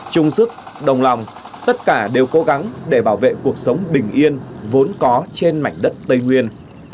chung sức đồng lòng tất cả đều cố gắng để bảo vệ cuộc sống bình yên vốn có trên mảnh đất tây nguyên